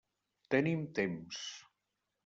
Tenim temps.